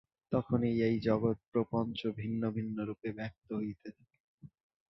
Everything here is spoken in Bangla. তখনই এই জগৎপ্রপঞ্চ ভিন্ন ভিন্ন রূপে ব্যক্ত হইতে থাকে।